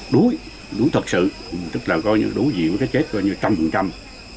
đúi đúi thật sự tức là đúi dịu cái chết coi như trăm phần trăm